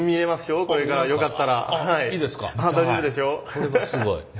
これはすごい。